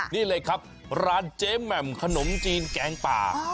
นี่เลยครับร้านเจ๊แหม่มขนมจีนแกงป่า